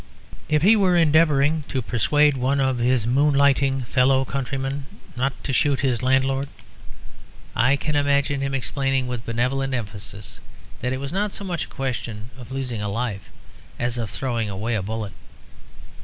If he were endeavouring to persuade one of his moon lighting fellow countrymen not to shoot his landlord, I can imagine him explaining with benevolent emphasis that it was not so much a question of losing a life as of throwing away a bullet.